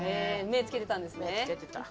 目つけてたんですね。